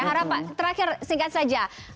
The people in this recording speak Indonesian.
harapan terakhir singkat saja